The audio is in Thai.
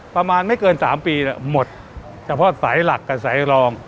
ประมาณไม่เกิน๓ปีหมดเฉพาะสายหลักกับสายรอง